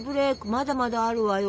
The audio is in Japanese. まだまだあるわよ！